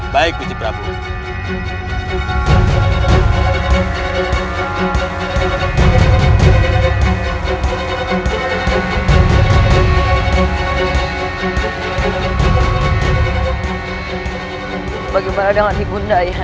baik gusti prabu